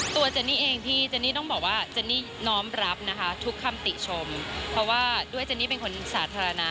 เจนนี่เองพี่เจนนี่ต้องบอกว่าเจนนี่น้อมรับนะคะทุกคำติชมเพราะว่าด้วยเจนนี่เป็นคนสาธารณะ